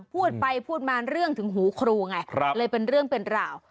พูดไปพูดมาเรื่องถึงหูครูไงเลยเป็นเรื่องเป็นราว